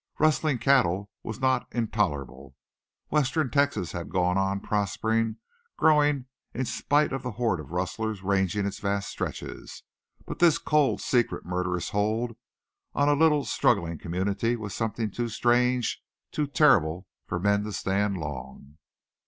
Rustling cattle was not intolerable. Western Texas had gone on prospering, growing in spite of the horde of rustlers ranging its vast stretches; but this cold, secret, murderous hold on a little struggling community was something too strange, too terrible for men to stand long.